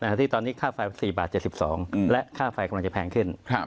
ที่ตอนนี้ค่าไฟ๔บาท๗๒และค่าไฟกำลังจะแพงขึ้น